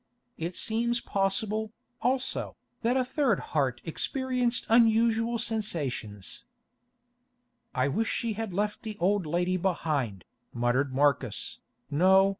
It seems possible, also, that a third heart experienced unusual sensations. "I wish she had left the old lady behind," muttered Marcus.